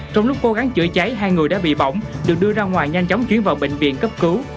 trong lúc cố gắng chữa cháy hai người đã bị bỏng được đưa ra ngoài nhanh chóng chuyển vào bệnh viện cấp cứu